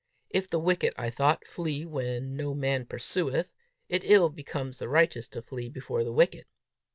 If the wicked, I thought, flee when no man pursueth, it ill becomes the righteous to flee before the wicked.